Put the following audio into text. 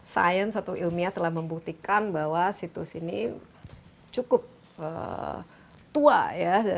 sains atau ilmiah telah membuktikan bahwa situs ini cukup tua ya